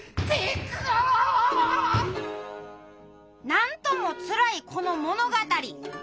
なんともつらいこの物語。